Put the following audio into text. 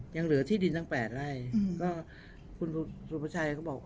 ยังเหลือที่ดินทั้งแปดเลยก็คุณสูตรประชัยก็บอก